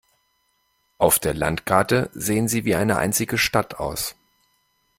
Auf der Landkarte sehen sie wie eine einzige Stadt aus.